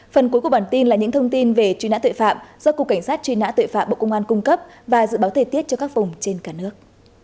phần cuối của bản tin là những thông tin về truy nã tội phạm do cục cảnh sát truy nã tội phạm bộ công an cung cấp và dự báo thời tiết cho các vùng trên cả nước